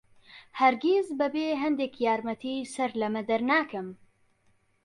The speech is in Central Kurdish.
هەرگیز بەبێ هەندێک یارمەتی سەر لەمە دەرناکەم.